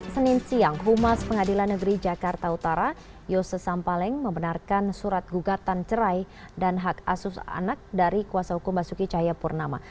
senin siang humas pengadilan negeri jakarta utara yose sampaleng membenarkan surat gugatan cerai dan hak asus anak dari kuasa hukum basuki cahayapurnama